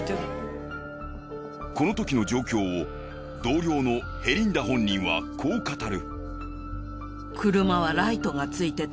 この時の状況を同僚のヘリンダ本人はこう語る。